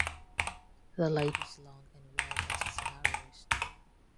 The lake is long and wide at its narrowest.